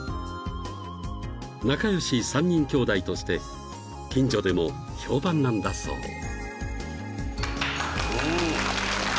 ［仲良し３人きょうだいとして近所でも評判なんだそう］